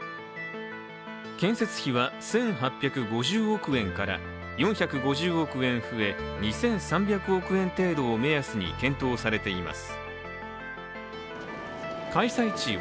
建設費は１８５０億円から４５０億円増え２３００億円程度を目安に検討されています。